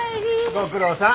ご苦労さん。